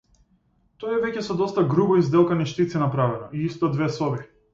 Тоа е веќе со доста грубо изделкани штици направено, и исто две соби.